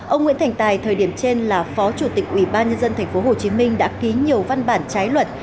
ông nguyễn thành tài thời điểm trên là phó chủ tịch ubnd tp hcm đã ký nhiều văn bản trái luật